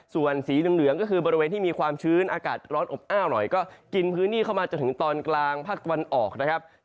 ส่วนสีเหลืองก็คือบริเวณที่มีความชื้นอากาศร้อนอบอ้าวหน่อยก็กินพื้นที่เข้ามาจนถึงตอนกลางภาคตะวันออกนะครับ